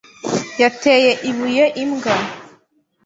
Yateye ibuye imbwa.